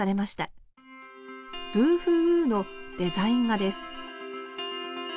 「ブーフーウー」のデザイン画です